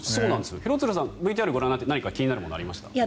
廣津留さんＶＴＲをご覧になって何かありましたか？